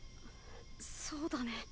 そうだね。